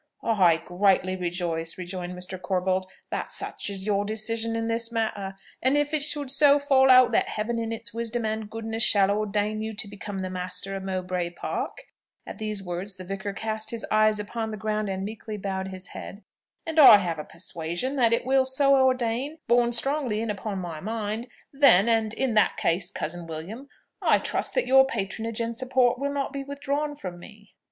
"I greatly rejoice," rejoined Mr. Corbold, "that such is your decision in this matter; and if it should so fall out that Heaven in its wisdom and goodness shall ordain you to become the master of Mowbray Park, (at these words the vicar cast his eyes upon the ground and meekly bowed his head,) and I have a persuasion that it will so ordain, borne strongly in upon my mind, then and in that case, cousin William, I trust that your patronage and support will not be withdrawn from me."